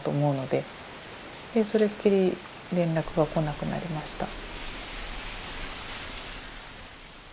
でそれっきり連絡が来なくなりました。